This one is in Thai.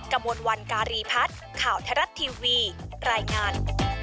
กระมวลวันการีพัฒน์ข่าวไทยรัฐทีวีรายงาน